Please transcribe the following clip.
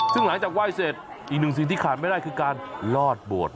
ซึ่งหลังจากไหว้เสร็จอีกหนึ่งสิ่งที่ขาดไม่ได้คือการลอดโบสถ